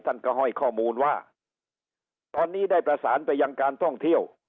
ท่านก็ให้ข้อมูลว่าตอนนี้ได้ประสานไปยังการท่องเที่ยว